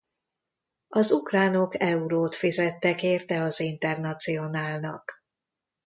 Az ukránok eurót fizettek érte az Internacionalnak.